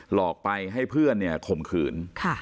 หลอกไปให้เพื่อนข่มขืน